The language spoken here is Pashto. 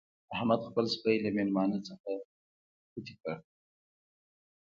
احمد خپل سپی له مېلمانه نه کوتې کړ.